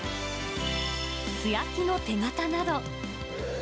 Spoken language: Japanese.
素焼きの手形など。